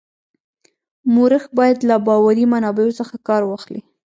مورخ باید له باوري منابعو څخه کار واخلي.